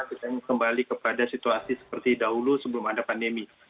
kita kembali kepada situasi seperti dahulu sebelum ada pandemi